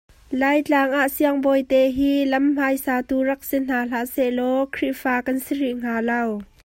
Laitlang ah siangbawite hi lam hmaisatu rak si hna hlah sehlaw Khrihfa kan si rih hnga lo.